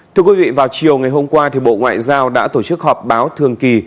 thưa quý vị vào chiều ngày hôm qua bộ ngoại giao đã tổ chức họp báo thường kỳ